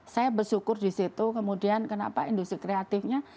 saya bersyukur disitu kemudian kenapa industri kreatifnya